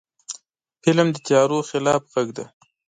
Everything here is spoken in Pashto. فلم د تیارو خلاف غږ دی